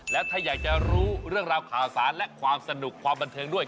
และถ้าอยากจะรู้เรื่องราวข่าวสารและความสนุกความบันเทิงด้วย